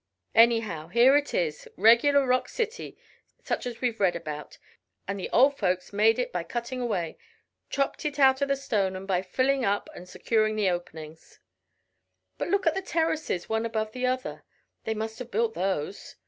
Anyhow, here it is, regular rock city such as we've read about; and the old folks made it by cutting away. Chopped it out of the stone and by filling up and securing the openings." "But look at the terraces one above the other. They must have built those."